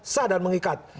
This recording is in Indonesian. sah dan mengikat